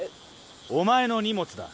お前の荷物だ。